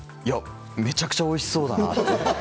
めちゃくちゃおいしそうだな。